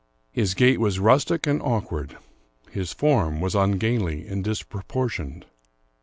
His gait was rustic and awk ward. His form was ungainly and disproportioned.